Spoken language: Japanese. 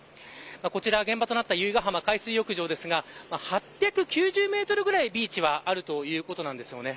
こちら現場となった由比ガ浜海水浴場ですが８９０メートルくらいビーチはあるということです。